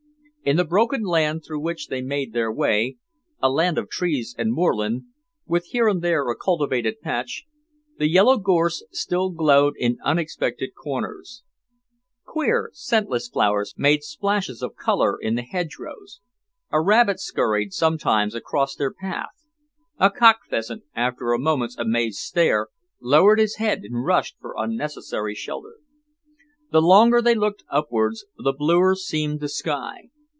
In the broken land through which they made their way, a land of trees and moorland, with here and there a cultivated patch, the yellow gorse still glowed in unexpected corners; queer, scentless flowers made splashes of colour in the hedgerows; a rabbit scurried sometimes across their path; a cock pheasant, after a moment's amazed stare, lowered his head and rushed for unnecessary shelter. The longer they looked upwards, the bluer seemed the sky.